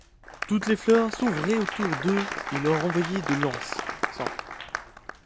Toutes les fleurs s'ouvraient autour d'eux et leur envoyaient de l'encens.